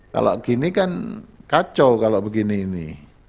kalau gini kan kacau kalau begini ini